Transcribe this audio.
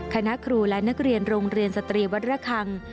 คณะครูและนักเรียนโรงเรียนสตรีวัดระคัง